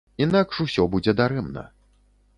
Інакш усё будзе дарэмна.